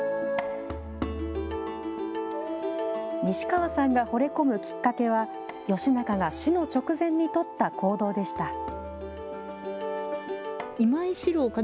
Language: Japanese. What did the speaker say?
西川さんがほれ込むきっかけは、義仲が死の直前に取った行動でした。